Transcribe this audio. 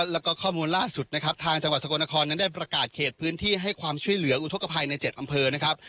แล้วก็ข้อมูลล่าสุดนะครับทางจังหวัดสกลนครนั้นได้ประกาศเขตพื้นที่ให้ความช่วยเหลืออุทธกภัยใน๗อำเภอนะครับ